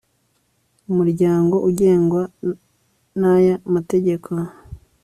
umuryango ugengwa n'ya mategeko